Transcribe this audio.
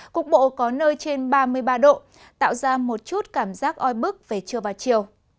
cục bộ có nơi trên ba mươi ba độ tạo ra một chút cảm giác oi bức về trưa và chiều